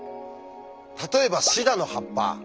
例えばシダの葉っぱ。